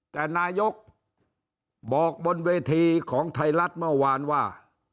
แต่นายกบอกบนเวทีของไทยรัฐเมื่อวานว่า